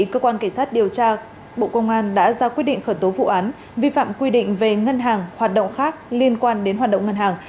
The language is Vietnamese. cơ quan cảnh sát điều tra bộ công an đã ra quyết định khởi tố vụ án vi phạm quy định về ngân hàng hoạt động khác liên quan đến hoạt động ngân hàng